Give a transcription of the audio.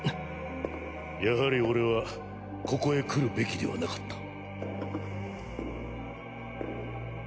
やはり俺はここへ来るべきではなかった。